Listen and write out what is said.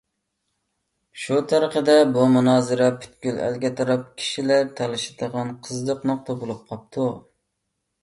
شۇ تەرىقىدە بۇ مۇنازىرە پۈتكۈل ئەلگە تاراپ كىشىلەر تالىشىدىغان قىزىق نۇقتا بولۇپ قاپتۇ.